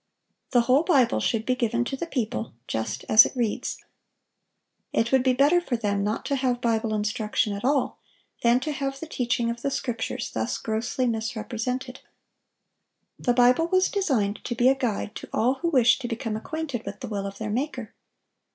The whole Bible should be given to the people just as it reads. It would be better for them not to have Bible instruction at all, than to have the teaching of the Scriptures thus grossly misrepresented. The Bible was designed to be a guide to all who wish to become acquainted with the will of their Maker.